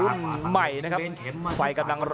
อัศวินาศาสตร์